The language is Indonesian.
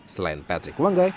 selain patrick wanggai